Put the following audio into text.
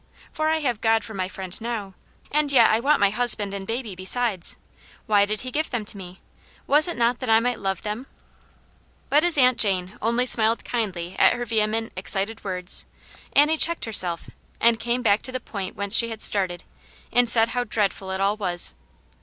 For I have God for my Friend now ; and yet I want my husband and baby, besides. Why did He give them to me ? Was it not that I might love them ?" "But as Aunt Jane only smvVtd Vaxv^Vj ^v. \n&x h^c^r. 244 Atmt pane's Hero. ment, excited words, Annie checked herself, and came back to the point whence she had started, and said how dreadful it all was.